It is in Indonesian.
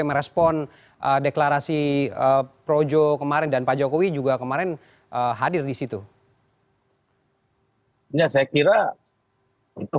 merespon deklarasi projo kemarin dan pak jokowi juga kemarin hadir disitu hai ini saya kira itu